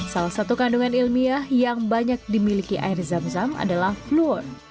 salah satu kandungan ilmiah yang banyak dimiliki air zam zam adalah fluor